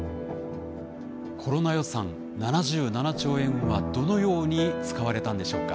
コロナ予算７７兆円はどのように使われたのでしょうか？